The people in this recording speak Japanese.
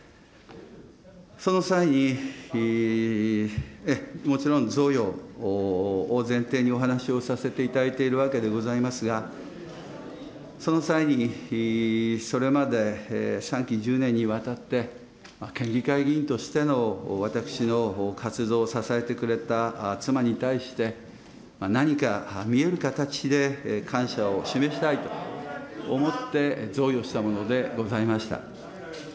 その際に、もちろん贈与を前提にお話しさせていただいているわけでございますが、その際に、それまで３期１０年にわたって県議会議員としての私の活動を支えてくれた妻に対して、何か見える形で感謝を示したいと思って贈与したものでございました。